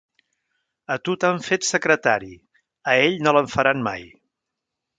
A tu t'han fet secretari; a ell no l'en faran mai.